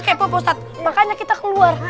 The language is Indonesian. kepo postat makanya kita keluar